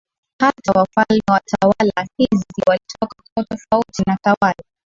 Hata wafalme wa tawala hizi walitoka koo tofauti na tawala